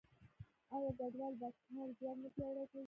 آیا کډوال د کار ځواک نه پیاوړی کوي؟